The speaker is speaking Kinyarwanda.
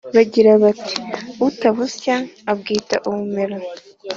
bagira bati: “utabusya abwita ubumera!”